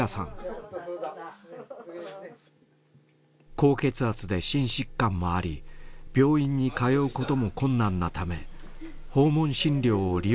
高血圧で心疾患もあり病院に通うことも困難なため訪問診療を利用することになりました。